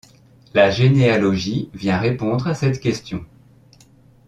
La généalogie vient répondre à cette question.